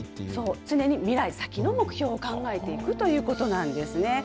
常に未来、先の目標を考えていくということなんですね。